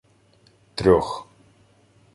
— Трьох.